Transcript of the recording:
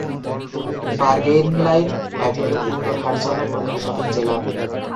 Bergenline Avenue উত্তর হাডসনের প্রধান শপিং জেলা।